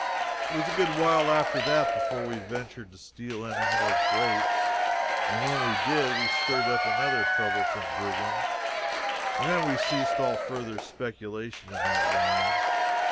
It was a good while after that before we ventured to steal any more grapes, and when we did we stirred up another troublesome brigand, and then we ceased all further speculation in that line.